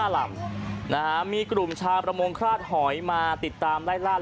๕ลำนะฮะมีกลุ่มชาวประมงฆาตหอยมาติดตามไล่ลาด